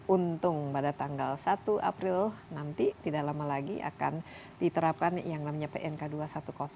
untung pada tanggal satu april nanti tidak lama lagi akan diterapkan yang namanya pnk dua ratus sepuluh